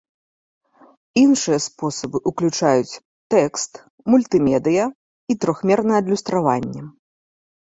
Іншыя спосабы ўключаюць тэкст, мультымедыя і трохмернае адлюстраванне.